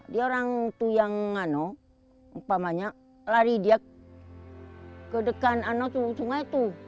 di orang itu yang apa banyak lari dia ke dekat sungai itu